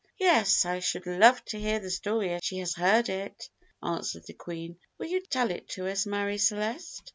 "Yes, I should love to hear the story as she has heard it," answered the Queen. "Will you tell it to us, Marie Celeste?"